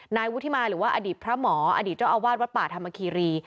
นายวุฒิมาหรือว่าอดีตพระหมออดีตเจ้าอาวาสวัดป่าธรรมคีรี